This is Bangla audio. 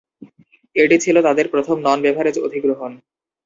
এটি ছিল তাদের প্রথম নন-বেভারেজ অধিগ্রহণ।